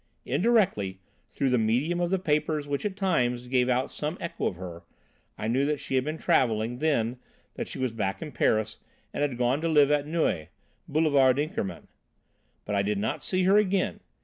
"Indirectly, through the medium of the papers which at times gave out some echo of her, I knew that she had been travelling, then, that she was back in Paris, and had gone to live at Neuilly, Boulevard Inkermann. But I did not see her again.